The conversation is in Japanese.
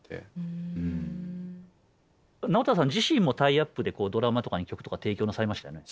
直太朗さん自身もタイアップでドラマとかに曲とか提供なさいましたよね？